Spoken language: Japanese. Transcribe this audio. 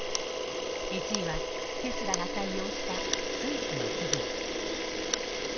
１位はテスラが採用したスイスの企業。